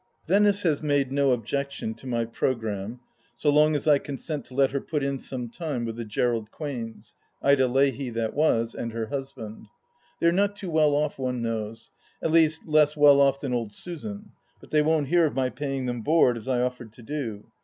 Venice has made no objection to my programme so long as I consent to let her put in some time with the Gerald Quains — ^Ida Leahy that was and her husband. They are not too well off, one knows ; at least, less well off than old Susan ; but they won't hear of my paying them board, as I offered to do.